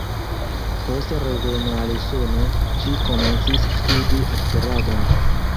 Post reveno al Usono, ŝi komencis studi aktoradon.